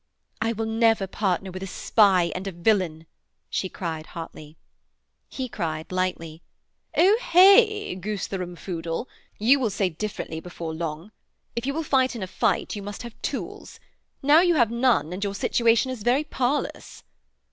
'I will never partner with a spy and a villain,' she cried hotly. He cried lightly: 'Ohé, Goosetherumfoodle! You will say differently before long. If you will fight in a fight you must have tools. Now you have none, and your situation is very parlous.'